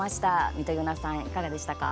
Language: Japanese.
みとゆなさん、いかがでしたか？